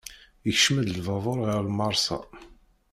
Ikcem-d lbabur ɣer lmersa.